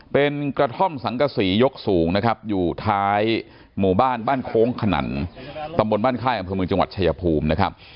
เป็นกระท่อมสังกสียกสูงอยู่ท้ายหมู่บ้านบ้านโค้งขนั่นตำบลบ้านค่ายของพื้นมือจังหวัดชายภูมิ